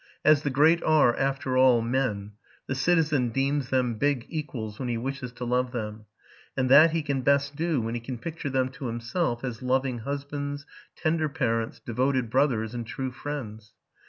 As the great are, after all, men, the citizen deems them his equals when he wishes to love them ; and that he can best do when he can picture them to himself as loving husbands, tender parents, devoted brothers, and true friends.